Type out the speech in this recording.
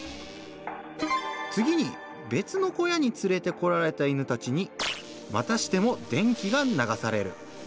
次にべつの小屋につれてこられた犬たちにまたしても電気が流される。